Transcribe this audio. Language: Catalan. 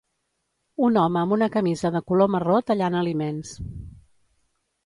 Un home amb una camisa de color marró tallant aliments.